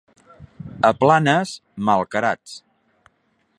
A Planes, malcarats.